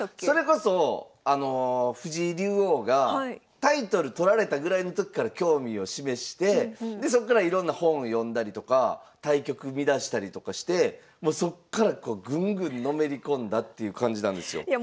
それこそ藤井竜王がタイトル取られたぐらいの時から興味を示してでそっからいろんな本読んだりとか対局見だしたりとかしてもうそっからぐんぐんのめり込んだっていう感じなんですよ。